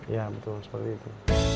ya betul seperti itu